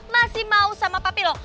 masih mau sama papi lo